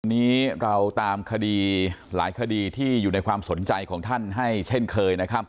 วันนี้เราตามคดีหลายคดีที่อยู่ในความสนใจของท่านให้เช่นเคยนะครับ